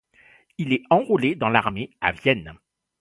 Il est enrôlé dans l'armée à Vienne.